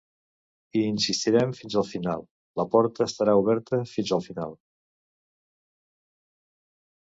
Hi insistirem fins al final, la porta estarà oberta fins al final.